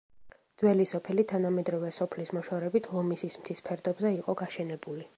ძველი სოფელი თანამედროვე სოფლის მოშორებით, ლომისის მთის ფერდობზე იყო გაშენებული.